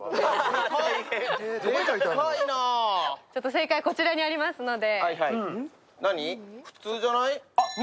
正解はこちらにありますので。